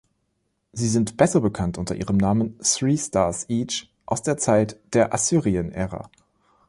Sie sind besser bekannt unter ihrem Namen „Three Stars Each“ aus der Zeit der Assyrien-Ära.